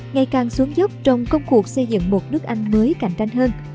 ngày càng xuống dốc trong công cuộc xây dựng một nước anh mới cạnh tranh hơn